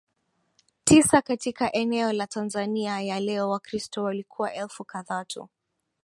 tisa katika eneo la Tanzania ya leo Wakristo walikuwa elfu kadhaa tu